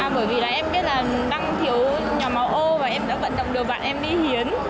bởi vì em biết là đang thiếu nhóm máu o và em đã vận động đồ bạn em đi hiến